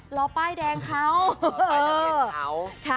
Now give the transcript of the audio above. รอป้ายแดงเขา